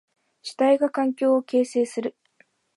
主体が環境を形成する。